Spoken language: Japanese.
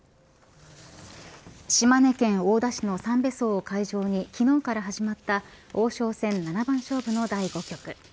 島根県大田市のさんべ荘を会場に昨日から始まった王将戦七番勝負の第５局。